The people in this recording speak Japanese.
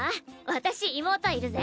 私妹いるぜ。